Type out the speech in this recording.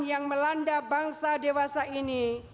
yang melanda bangsa dewasa ini